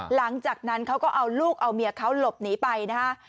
หลังจากนั้นเขาก็เอาลูกเอาเมียเขาหลบหนีไปนะฮะ